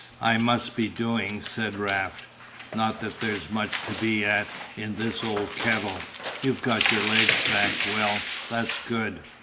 "I must be doing," said Raft. "Not that there's much to be at in this old kettle. You've got your legs back, well, that's good.